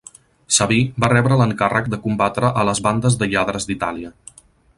Sabí va rebre l'encàrrec de combatre a les bandes de lladres d'Itàlia.